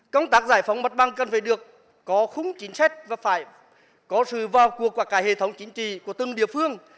công tác giải phóng mặt băng cần phải được có khung chính sách và phải có sự vào cuộc quả cải hệ thống chính trị của từng địa phương